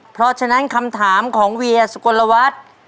เพราะฉะนั้นคำถามของเวียสุกลวัฒน์